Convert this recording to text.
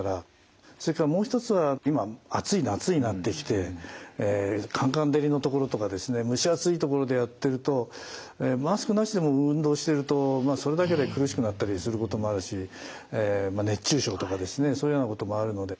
それからもう一つは今暑い夏になってきてカンカン照りのところとかですね蒸し暑いところでやってるとマスクなしでも運動してるとそれだけで苦しくなったりすることもあるし熱中症とかですねそういうようなこともあるので。